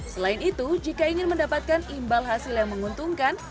selain itu jika ingin mendapatkan imbal hasil yang menguntungkan